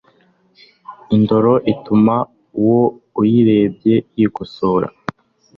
Indoro ituma uwo uyirebye yikosora.